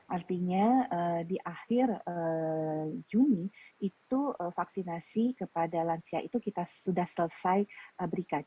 artinya di akhir juni itu vaksinasi kepada lansia itu kita sudah selesai berikan